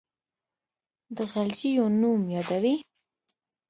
د غلجیو نوم یادوي.